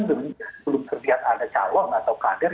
belum terlihat ada calon atau kader